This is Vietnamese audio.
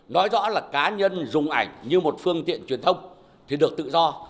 nói rõ là cá nhân dùng ảnh như một phương tiện truyền thông thì được tự do